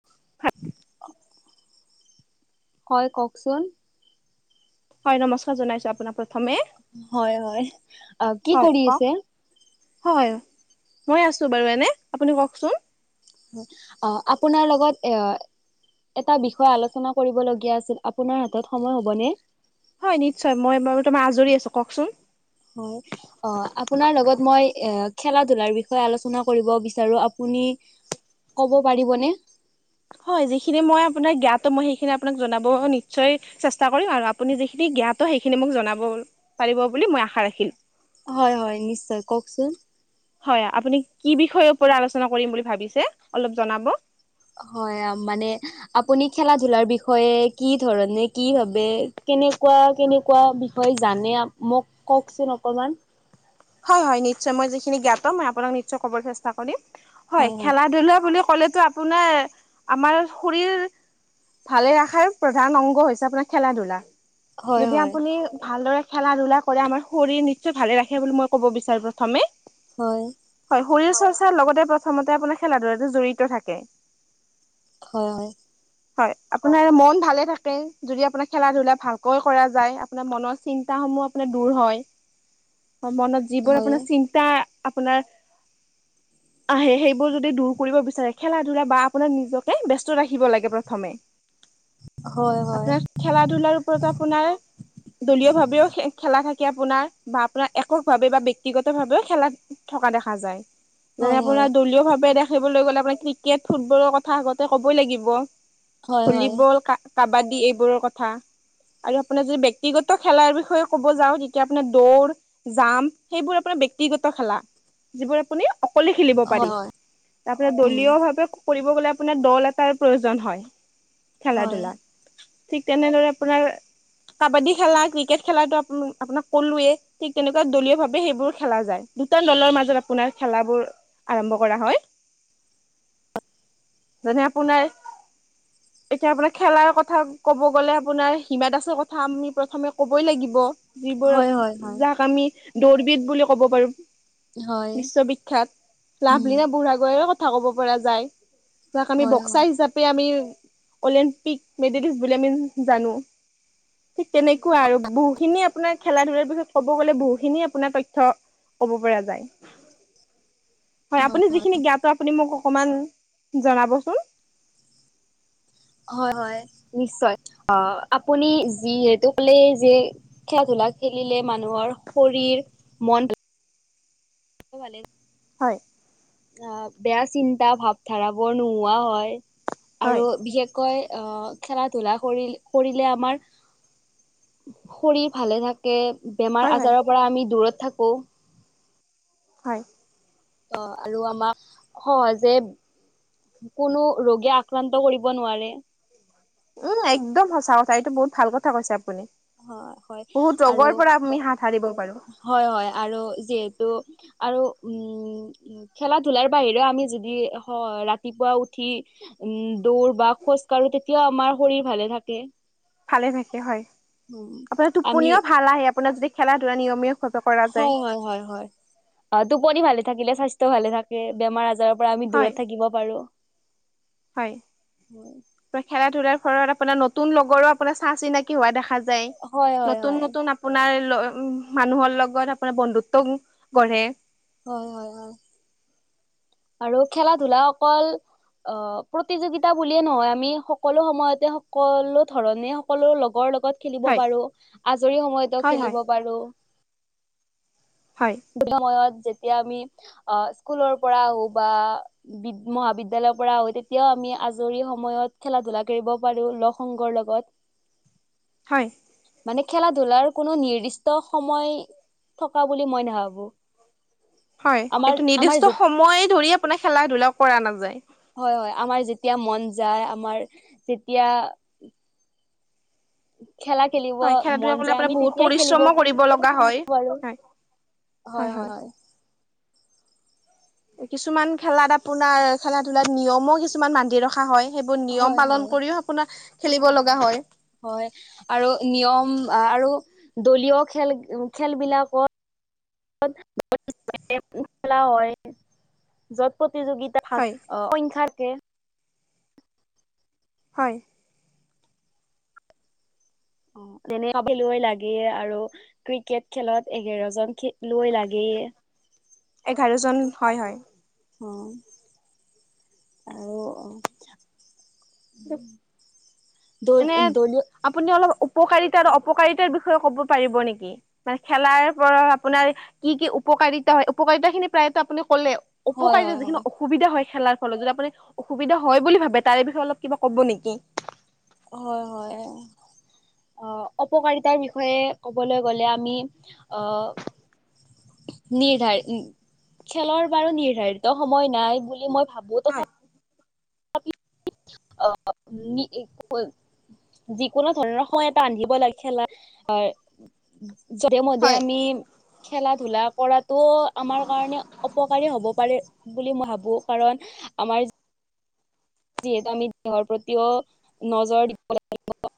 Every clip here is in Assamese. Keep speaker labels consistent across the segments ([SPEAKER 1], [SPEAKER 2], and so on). [SPEAKER 1] [unintelligible]
[SPEAKER 2] হয়, কওকচোন।
[SPEAKER 1] হয় নমস্কাৰ জনাইছো আপোনাক। প্ৰথমে
[SPEAKER 2] হয় হয়, অ কি
[SPEAKER 1] হয়
[SPEAKER 2] কৰি
[SPEAKER 1] কওক
[SPEAKER 2] আছে?
[SPEAKER 1] হয়, মই আছো বাৰু এনে আপুনি কওকচোন।
[SPEAKER 2] অঁ আপোনাৰ লগত এ এটা বিষয়ে আলোচনা কৰিবলগীয়া আছিল, আপোনাৰ হাতত সময় হ'বনে?
[SPEAKER 1] হয় নিশ্চয় মই ম তোমাৰ আজৰি আছো কওকচোন।
[SPEAKER 2] হয়। অঁ আপোনাৰ লগত মই এ খেলা ধলাৰ বিষয়ে আলোচনা কৰিব বিচাৰো। আপুনি ক'ব পাৰিবনে।
[SPEAKER 1] হয়, যিখিনি মই আপোনাৰ জ্ঞাত মই সেইখিনি আপোনাক জনাব নিশ্চয় চেষ্টা কৰিম আৰু আপুনি যিখিনি জ্ঞাত সেইখিনি মোক জনাব পাৰিব বুলি মই আশা ৰাখিলো।
[SPEAKER 2] হয় হয়, নিশ্চয় কওকচোন।
[SPEAKER 1] হয় আপুনি কি বিষয়ৰ ওপৰত আলোচনা কৰিম বুলি ভাবিছে, অলপ জনাব।
[SPEAKER 2] হয়, মানে আপুনি খেলা ধূলা বিষয়ে কি ধৰণে কি ভাবে, কেনেকুৱা কেনেকুৱা হয় জানে মোক কওকচোন অকণমান।
[SPEAKER 1] হয় হয়, নিশ্চয় মই যিখিনি জ্ঞাত মই আপোনাক নিশ্চয় কবলে চেষ্টা কৰিম। হয়, খেলা ধূলা বুলি ক'লেতটো আপোনাৰ আমাৰ শৰীৰ ভালে ৰখাৰ প্ৰধান অংগ হৈছে আপোনাৰ খেলা ধূলা।
[SPEAKER 2] হয়
[SPEAKER 1] যদি
[SPEAKER 2] হয়।
[SPEAKER 1] আপুনি ভালদৰে খেলা ধূলা কৰে, আমাৰ শৰীৰ নিশ্চয় ভালে ৰাখে বুলি মই ক'ব বিচাৰোঁ প্ৰথমে।
[SPEAKER 2] হয়।
[SPEAKER 1] হয়, শৰীৰ চৰ্চাৰ লগতে প্ৰথমতে আপোনাৰ খেলা ধূলাটো জড়িত থাকে।
[SPEAKER 2] হয় হয়।
[SPEAKER 1] হয় আপোনাৰ মন ভালে থাকে, যদি আপোনাৰ খেলা ধূলা ভালকৈ কৰা যায়। আপোনাৰ মনৰ চিন্তা সমূহ মানে দূৰ হয়। মনত যিবোৰ
[SPEAKER 2] হয়।
[SPEAKER 1] আপোনাৰ চিন্তা আপোনাৰ
[SPEAKER 2] [inaudible]
[SPEAKER 1] আহে, সেইবোৰ যদি দূৰ কৰিব বিচাৰে খেলা ধূলা বা আপোনাক নিজকে ব্যস্ত ৰাখিব লাগে প্ৰথমে।
[SPEAKER 2] হয় হয়
[SPEAKER 1] [unintelligible] খেলা ধূলাৰ ওপৰত আপোনাৰ দলীয় ভাৱেও খেলা থাকে আপোনাৰ, বা আপোনাৰ একক ভাৱে বা ব্যক্তিগত ভাৱেও খেলাত থকা দেখা যায়। যেনে
[SPEAKER 2] হয়
[SPEAKER 1] আপোনাৰ দলীয় ভাৱে দে খেলিবলৈ গ'লে আপোনাৰ ক্ৰিকেট ফুটবলৰ কথা আগতে ক'বই লাগিব,
[SPEAKER 2] হয় হয় হয়
[SPEAKER 1] ভলীবল ক কাবাডী এইবোৰৰ কথা। আৰু আপোনাৰ যদি ব্যক্তিগত খেলাৰ বিষয়ে ক'ব যাওঁ, তেতিয়া আপোনাৰ দৌৰ জাম্প সেইবোৰ ব্যক্তিগত খেলা, যিবোৰ আপুনি অকলে খেলিব
[SPEAKER 2] হয়
[SPEAKER 1] পাৰি।
[SPEAKER 2] হয়
[SPEAKER 1] তাৰপিছত
[SPEAKER 2] উম
[SPEAKER 1] দলীয় ভাৱে খেলিব গলে আপোনাৰ দল এটাৰ প্ৰয়োজন হয়, খেলা
[SPEAKER 2] হয়
[SPEAKER 1] ধূলাত। ঠিক তেনেদৰে আপোনাৰ কাবাডী খেলা ক্ৰিকেট খেলাটো আপোনাক কলোৱেই। ঠিক তেনেকুৱা দলীয় ভাৱে সেইবোৰ খেলা যায়, দুটা দলৰ মাজত আপোনাৰ খেলাবোৰ আৰম্ভ কৰা হয়। যেনে আপোনাৰ
[SPEAKER 2] [inaudible]
[SPEAKER 1] এতিয়া আপোনাৰ খেলাৰ কথা কব গলে আপোনাৰ হিমা দাসৰ কথা আমি প্ৰথমে কবই লাগিব। যিবোৰ
[SPEAKER 2] হয় হয় হয়
[SPEAKER 1] যাক আমি দৌৰবিদ বুলি ক'ব পাৰোঁ।
[SPEAKER 2] হয়
[SPEAKER 1] বিশ্ববিখ্যাত
[SPEAKER 2] উম
[SPEAKER 1] লাভলীনা বুঢ়াগোহাঁইয়ো কথা ক'ব পৰা যায়। যাক আমি
[SPEAKER 2] হয় হয়
[SPEAKER 1] বক্সাৰ হিচাপে আমি অলিম্পিক মেডেলিছ বুলি আমি জানোঁ। ঠিক তেনেকুৱা আৰু বহুখিনি আপোনাৰ খেলা- ধূলাৰ পিছত ক'ব গ'লে বহুখিনিয়ে আপোনাৰ তথ্য ক'ব পৰা যায়। হয়, আপুনি যিখিনি জ্ঞাত আপুনি মোক অকমান জনাবচোন।
[SPEAKER 2] হয়, হয় নিশ্চয়। আ আপুনি যিহেতু ক'লে যে খেলা-ধূলা খেলিলে মানুহৰ শৰীৰ, মন মোৰ ভালেই।
[SPEAKER 1] হয়।
[SPEAKER 2] আঁ বেয়া চিন্তা ভাৱধাৰাবোৰ নোহোৱা হয়
[SPEAKER 1] হয়
[SPEAKER 2] আৰু বিশেষ কৈ আ খেলা-ধূলা কৰি কৰিলে আমাৰ শৰীৰ ভালে থাকে।
[SPEAKER 1] হয় হয়
[SPEAKER 2] বেমাৰ-আজাৰৰ পৰা আমি দূৰত থাকোঁ।
[SPEAKER 1] হয়।
[SPEAKER 2] অঁ, আৰু আমাক সহজে কোনো ৰোগে আক্ৰান্ত কৰিব নোৱাৰে।
[SPEAKER 1] উম, একদম সঁচা কথা এইটো বহুত ভাল কথা কৈছে আপুনি।
[SPEAKER 2] হয় হয়
[SPEAKER 1] বহুত
[SPEAKER 2] আৰু
[SPEAKER 1] ৰোগৰ পৰা আমি হাত-হাৰিব পাৰোঁ।
[SPEAKER 2] হয়, হয় আৰু যিহেতু আৰু উম খেলা-ধূলাৰ বাহিৰেও আমি যদি স--ৰাতিপুৱা উঠি উম, দৌৰ বা খোজকাঢ়ো তেতিয়া আমাৰ শৰীৰ ভালে থাকে।
[SPEAKER 1] ভালে থাকে হয়।
[SPEAKER 2] উম
[SPEAKER 1] আপোনাৰ
[SPEAKER 2] আমি
[SPEAKER 1] টোপনিও ভাল আহে আপোনাৰ যদি খেলা-ধূলা নিয়মিয়
[SPEAKER 2] হয়, হয় হয় হয়। আ টোপনি ভালে থাকিলে স্বাস্থ্য ভালে থাকে। বেমাৰ আজাৰ পৰা আমি
[SPEAKER 1] হয়,
[SPEAKER 2] দূৰত থাকিব পাৰোঁ।
[SPEAKER 1] হয়। ত ' খেলা-ধূলাৰ ফলত আপোনাৰ নতুন লগৰো আপোনাৰ চা-চিনাকি হোৱা দেখা যায়।
[SPEAKER 2] হয় হয় হয়
[SPEAKER 1] নতুন
[SPEAKER 2] হয়
[SPEAKER 1] নতুন আপোনাৰ ল ' মানুহৰ লগত আপোনাৰ বন্ধুত্বও গঢ়ে।
[SPEAKER 2] হয়, হয় হয়। আৰু খেলা-ধূলা অকল অঁ প্ৰতিযোগিতা বুলিয়ে নহয়। আমি সকলো সময়তে, সকলো ধৰণে, সকলো লগৰ লগত খেলিব
[SPEAKER 1] হয়,
[SPEAKER 2] পাৰো, আজৰি সময়তো
[SPEAKER 1] হয়, হয়,
[SPEAKER 2] খেলিব পাৰোঁ।
[SPEAKER 1] হয়।
[SPEAKER 2] সময়ত যেতিয়া আমি আ স্কুলৰ পৰা আহো বা বিদ্ মহাবিদ্যালয়ৰ পৰা আহোঁ তেতিয়াও আমি আজৰি সময়ত খেলা- ধূলা কৰিব পাৰো লগ্ সংগৰ লগত।
[SPEAKER 1] হয়।
[SPEAKER 2] মানে, খেলা-ধূলাৰ কোনো নিৰ্দিষ্ট সময় থকা বুলি মই নাভাৱোঁ।
[SPEAKER 1] হয়, এইটো নিৰ্দিষ্ট সময় ধৰি আপোনাৰ খেলা-ধূলা কৰা নাযায়।
[SPEAKER 2] হয়, হয়। আমাৰ যেতিয়া মন যায় আমাৰ তেতিয়া খেলা খেলিব
[SPEAKER 1] হয়, খেলা ধূলা
[SPEAKER 2] মন
[SPEAKER 1] কৰিলে
[SPEAKER 2] যায়
[SPEAKER 1] আপোনাৰ
[SPEAKER 2] আমি
[SPEAKER 1] বহুত
[SPEAKER 2] তেতিয়াই খেলিব
[SPEAKER 1] পৰিশ্ৰমো কৰিব লগা হয়।
[SPEAKER 2] পাৰোঁ।
[SPEAKER 1] হয়,
[SPEAKER 2] হয়, হয়।
[SPEAKER 1] কিছুমান খেলাত আপোনাৰ, খেলা-ধূলাত নিয়মো কিছুমান বান্ধি ৰখা হয়। সেইবোৰ নিয়ম
[SPEAKER 2] হয়
[SPEAKER 1] পালন
[SPEAKER 2] হয়
[SPEAKER 1] কৰিও আপোনাৰ খেলিব লগা হয়।
[SPEAKER 2] হয়, আৰু নিয়ম আৰু দলীয় খেল - খেলবিলাকত [inaudible] খেলা হয় যত প্ৰতিযোগি সাত,
[SPEAKER 1] হয়
[SPEAKER 2] অ সংখ্যাকে
[SPEAKER 1] হয়।
[SPEAKER 2] অ তেনে খেলুৱৈ লাগে আৰু ক্ৰিকেট খেলত এঘাৰজন খেলুৱৈ লাগেই।
[SPEAKER 1] এঘাৰজন হয় হয়।
[SPEAKER 2] উম আৰু অ।
[SPEAKER 1] [inaudible]
[SPEAKER 2] দল
[SPEAKER 1] এনে
[SPEAKER 2] দলীয়
[SPEAKER 1] আপুনি অলপ উপকাৰিতা আৰু অপকাৰিতাৰ বিষয়ে ক'ব পাৰিব নেকি? মানে খেলাৰ পৰা আপোনাৰ কি কি উপকাৰিতা হয় উপকাৰিতাখিনি প্ৰায়েটো আপুনি ক'লে
[SPEAKER 2] হয়
[SPEAKER 1] উপকাৰিতা
[SPEAKER 2] হয়
[SPEAKER 1] যিখিনি অস সুবিধা হয় খেলাৰ ফলত যদি আপুনি অসুবিধা হয় বুলি ভাবে তাৰে বিষয়ে অলপ কিবা ক'ব নেকি?
[SPEAKER 2] হয় হয়। অ, অপকাৰিতাৰ বিষয়ে ক'বলৈ গ'লে আমি অ নিৰ্ধাৰি নি খেলৰ বাৰু নিৰ্ধাৰিত সময় নাই বুলি মই ভাবো
[SPEAKER 1] হয়।
[SPEAKER 2] তথা অ নি [inaudible] এক' যিকোনো ধৰণৰ সময় এটা বান্ধিব লাগে খেলা [inaudible] যধে-মধে
[SPEAKER 1] হয়।
[SPEAKER 2] আমি খেলা - ধূলা কৰাতো আমাৰ কাৰণে অপকাৰী হব পাৰে। বুলি মই ভাবো কাৰণ আমাৰ যিহেতু আমি দেহৰ প্ৰতিও নজৰ দিব লাগিব।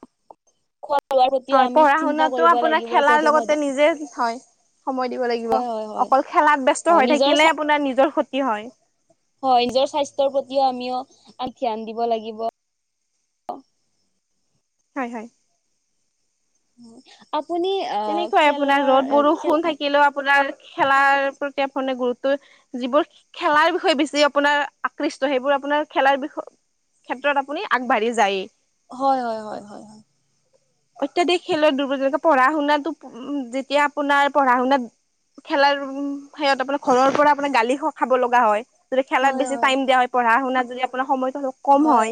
[SPEAKER 2] খোৱা লোৱাৰ প্ৰতিও
[SPEAKER 1] হয়,
[SPEAKER 2] আমি
[SPEAKER 1] পঢ়া -
[SPEAKER 2] চিন্তা
[SPEAKER 1] শুনাটো
[SPEAKER 2] কৰিব
[SPEAKER 1] আপোনাৰ
[SPEAKER 2] লাগিব
[SPEAKER 1] খেলাৰ
[SPEAKER 2] যধে মধে
[SPEAKER 1] লগতে নিজে হয়। সময় দিব লাগিব,
[SPEAKER 2] হয় হয় হয়
[SPEAKER 1] অকল খেলাত
[SPEAKER 2] অ
[SPEAKER 1] ব্যস্ত হৈ
[SPEAKER 2] নিজৰ
[SPEAKER 1] থাকিলে আপোনাৰ নিজৰ ক্ষতি হয়।
[SPEAKER 2] হয়, নিজৰ স্বাস্থ্যৰ প্ৰতিও আমিও আ ধ্যান দিব লাগিব।
[SPEAKER 1] হয় হয়।
[SPEAKER 2] ওম আপুনি আহ
[SPEAKER 1] তেনেকুৱাই আপোনাৰ ৰ'দ -
[SPEAKER 2] খেলৰ খেল
[SPEAKER 1] বৰষুণ থাকিলেও আপোনাৰ খেলাৰ প্ৰতি আপুনি গুৰুত্ব যিবোৰ খেলাৰ বিষয়ে বেছি আপোনাৰ আকৃষ্ট সেইবোৰ আপোনাৰ খেলাৰ বিষয় ক্ষেত্ৰত আপুনি আগবাঢ়ি যায়েই।
[SPEAKER 2] হয় হয় হয় হয় হয়।
[SPEAKER 1] অত্যাধিক খেলত দুৰ্বল যেনেকা পঢ়া - শুনাটো উম যেতিয়া আপোনাৰ পঢ়া - শুনাত খেলাৰ সেয়ত আপোনাৰ ঘৰৰ পৰা আপুনি গালি স খাব লগা হয়। যদি খেলাত
[SPEAKER 2] হয় হয়
[SPEAKER 1] বেছি টাইম দিয়া হয় পঢ়া - শুনাত যদি আপোনাৰ সময়টো হওক
[SPEAKER 2] হয়,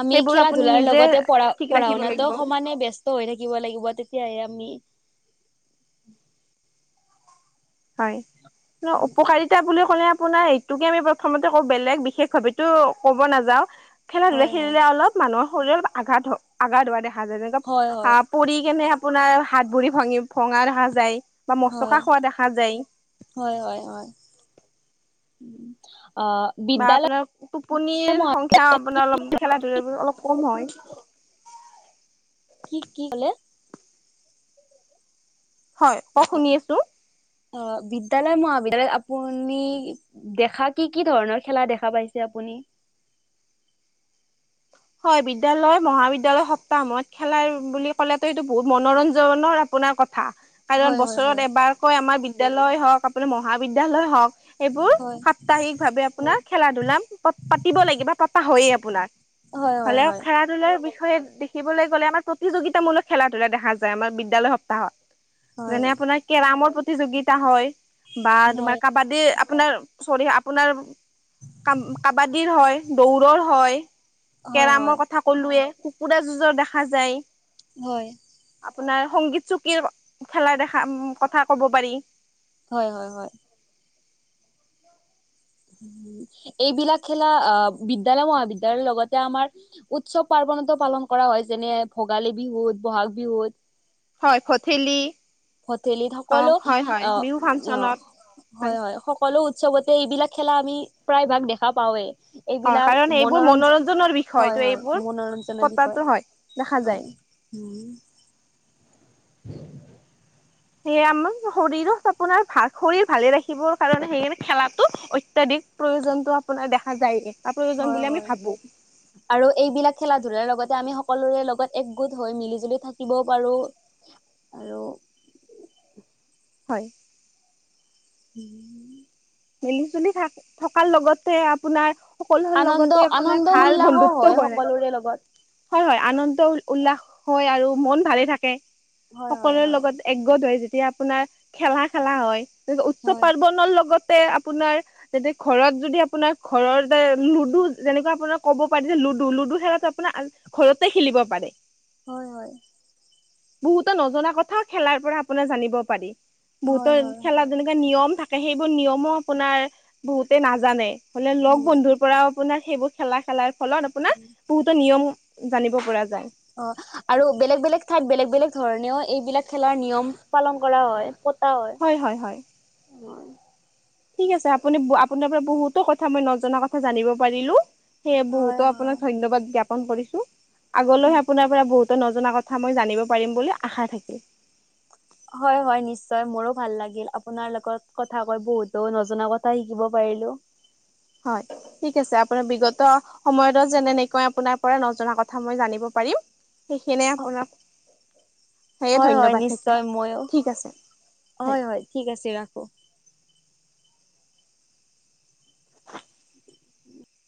[SPEAKER 2] আমি খেলা- ধুলাৰ লগতে পঢ়া
[SPEAKER 1] ঠিক
[SPEAKER 2] পঢ়া -
[SPEAKER 1] ৰাখিব
[SPEAKER 2] শুনাটো
[SPEAKER 1] লাগিব
[SPEAKER 2] সমানে বস্ত ত হৈ থাকিব লাগিব তেতিয়াহে আমি
[SPEAKER 1] হয় [inaudible] উপকাৰিতা বুলি ক'লে আ আপোনাৰ এইটোকে আমি প্ৰথমতে ক বেলেগ বিশেষ ভাৱেতো ক'ব নাযাও, খেলা- ধূলা
[SPEAKER 2] হয় হয়
[SPEAKER 1] খেলিলে অলপ মানুহৰ শৰীৰৰ আঘাত হ আঘাত হোৱা দেখা যায় যেনেকা
[SPEAKER 2] হয় হয়
[SPEAKER 1] সাপ পৰি কেনে আপোনাৰ হাত - ভুৰি ভাঙি ভঙা দেখা যায় বা
[SPEAKER 2] হয়
[SPEAKER 1] মচকা খোৱা দেখা যায়।
[SPEAKER 2] হয় হয় হয়, উম আ
[SPEAKER 1] বা আপোনাৰ টোপনিৰ সংখ্যা আপোনাৰ অলপ খেলা - ধূলাবোৰ অলপ কম হয়।
[SPEAKER 2] কি কি কলে?
[SPEAKER 1] হয়, কওক শুনি আছো?
[SPEAKER 2] অ বিদ্যালয় মহাবিদ্যালয় আপুনি? দেখা কি কি ধৰণৰ খেলা দেখা পাইছে আপুনি?
[SPEAKER 1] হয় বিদ্য়ালয় মহাবিদ্যালয় সপ্তাহ মত খেলাৰ বুলি ক'লে তটো এইটো বহুত মনোৰঞ্জনৰ আপোনাৰ কথা। কাৰণ
[SPEAKER 2] হয় হয় হয়
[SPEAKER 1] বছৰত এবাৰকৈ আমাৰ বিদ্য়ালয় হওক আপোনাৰ মহাবিদ্য়ালয় হওক সেইবোৰ
[SPEAKER 2] হয়
[SPEAKER 1] সাপ্তাহিক ভাৱে আপোনাৰ খেলা ধূলা পাতিব লাগিব বা পতা হয়য়ে আপোনাৰ।
[SPEAKER 2] হয় হয়
[SPEAKER 1] হ'লে
[SPEAKER 2] হয়
[SPEAKER 1] খেৰা ধুলা বিষয়ে দেখিবলৈ গ'লে আমাৰ প্ৰতিযোগিতামূলক খেলা ধূলা দেখা যায় আমাৰ বিদ্যালয় সপ্তাহত।
[SPEAKER 2] হয়
[SPEAKER 1] পোনাৰ কেৰ প্ৰতিযোগা হয় বা
[SPEAKER 2] হয় হয়
[SPEAKER 1] তোমাৰ কাবাডী আপোনাৰ চৰি আপোনাৰ ক কাবাডীৰ হয় দৌৰৰ হয়।
[SPEAKER 2] হয় হয়
[SPEAKER 1] কেৰমৰ কথা ক'লোৱে কুকুৰা যুজৰ দেখা যায়।
[SPEAKER 2] হয়।
[SPEAKER 1] আপোনাৰ সংগীত চুকীৰ খেলা দেখা কথা কব পাৰি।
[SPEAKER 2] হয় হয় হয়। এইবিলাক খেলা আহ বিদ্যায়ালয় মহাবিদ্য়ালয়ৰ লগতে আমাৰ উৎসৱ পাৰ্বনতো পালন কৰা হয় যেনে ভোগালী বিহুত বহাগ বিহুত
[SPEAKER 1] হয় ভঠেলি
[SPEAKER 2] ভথেলি সকলো
[SPEAKER 1] হওক হয় হয়
[SPEAKER 2] আহ
[SPEAKER 1] বিহু
[SPEAKER 2] আহ
[SPEAKER 1] ফাংচনত
[SPEAKER 2] হয় হয় সকলো উৎসৱতে এইবিলাক খেলা আমি প্ৰায় ভাগ দেখা পাওৱেই।
[SPEAKER 1] হয়
[SPEAKER 2] এইবিলাক
[SPEAKER 1] কাৰণ এইবোৰ
[SPEAKER 2] মনোৰঞ্জন
[SPEAKER 1] মনোৰঞ্জনৰ বিষয়
[SPEAKER 2] হয়
[SPEAKER 1] ত'
[SPEAKER 2] হয়
[SPEAKER 1] এইবোৰ
[SPEAKER 2] মনোৰঞ্জনৰ বিষয়
[SPEAKER 1] পতাটো হয় দেখা
[SPEAKER 2] হয়।
[SPEAKER 1] যায়
[SPEAKER 2] উম। উ
[SPEAKER 1] সেয়ে আমাৰ শৰীৰত আপোনাৰ ভাল শৰীৰ ভালে ৰাখিবৰ কাৰণে সেইে খেলাটো অত্যাধিক প্ৰয়োজনতটো আপোনাৰ দেখা যায় বা প্ৰয়োজন
[SPEAKER 2] হয়
[SPEAKER 1] বুলি আমি
[SPEAKER 2] হয়
[SPEAKER 1] ভাবো।
[SPEAKER 2] আৰু এইবিলাক খেলা ধূলাৰ লগতে আমি সকলোৰে লগত একগোট হৈ মিলি জুলি থাকিবও পাৰো। আৰু
[SPEAKER 1] হয়।
[SPEAKER 2] উম।
[SPEAKER 1] মিলি জুলি থাক থকাৰ লগতে আপোনাৰ সকলোোৰ
[SPEAKER 2] আনন্দ
[SPEAKER 1] লগতে আপোনাৰ
[SPEAKER 2] আনন্দ
[SPEAKER 1] ভাল
[SPEAKER 2] উল্লাসো
[SPEAKER 1] বন্ধুত্ব
[SPEAKER 2] হয়
[SPEAKER 1] কৰে।
[SPEAKER 2] সকলোৰে লগত
[SPEAKER 1] হয় হয় আনন্দ উল্লাস হয় আৰু মন ভালে থাকে
[SPEAKER 2] হয় হয়
[SPEAKER 1] সকলোৰে
[SPEAKER 2] হয়
[SPEAKER 1] লগত একগ্ৰত হয় যেতিয়া আপোনাৰ খেলা খেলা হয় উৎসৱ
[SPEAKER 2] হয়
[SPEAKER 1] পাৰ্বনৰৰ লগতে আপোনাৰ তোতে ঘৰত যদি আপোনাৰ ঘৰৰত যে লুডু যেনেকুৱা আপোনাৰ ক'ব পাৰি যে লুডু লুডু খেলাো আপোনাৰ ঘৰতে খেলিব পাৰে।
[SPEAKER 2] হয় হয়।
[SPEAKER 1] বহুতৰ নজনা কথাও খেলাৰ পৰা আপোনাৰ জানিব পাৰি
[SPEAKER 2] হয়
[SPEAKER 1] বহুতৰ
[SPEAKER 2] হয়
[SPEAKER 1] খেলা যেনে নিয়ম থাকে সেইবোৰ নিয়মো আপোনাৰ বহুতে নাজানে হলে লগ
[SPEAKER 2] হয়
[SPEAKER 1] বন্ধুৰ পৰা আপোনাৰ সেইবোৰ খেলা খেলাৰ ফলত আপোনাৰ বহুতো নিয়ম জানিব পৰা যায়।
[SPEAKER 2] অ আৰু বেলেগ বেলেগ ঠাইত বেলেগ বেলেগ ধৰণেও এইবিলাক খেলাৰ নিয়ম পালন কৰা হয়। ত হয় উ।
[SPEAKER 1] ঠিক আছে আপুনি আপোনাৰ পৰা বহুতো কথা মই নজনা কথা জানিব পাৰিলো। সেয়ে
[SPEAKER 2] হয়
[SPEAKER 1] বহুতো আপোনাক
[SPEAKER 2] হয়
[SPEAKER 1] ধন্যবাদ জ্ঞাপন কৰিছো। আগলৈ আপোনাৰ পৰা বহুতে নজনা কথা মই জানিব পাৰিম বুলি আশা থাকিল।
[SPEAKER 2] হয় হয় নিশ্চয় মোৰো ভাল লাগিল আপোনাৰ লগত কথা কৈ বহুতো নজনা কথা শিকিব পাৰিলো।
[SPEAKER 1] হয় ঠিক আছে আপোনাৰ বিগত। সময়তো যেনেকৈ আপোনাৰ পৰা নজনা কথা মই জানিব পাৰিম। সেইখিনিয়ে আপোনাক সেয়ে
[SPEAKER 2] হয় হয়
[SPEAKER 1] ধন্যবাদ থাকিল
[SPEAKER 2] নিশ্চয় ময়ো
[SPEAKER 1] ঠিক আছে।
[SPEAKER 2] হয় হয় ঠিক আছে ৰাখো।